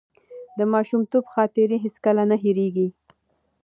د ماشومتوب خاطرې هیڅکله نه هېرېږي.